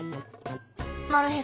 なるへそ。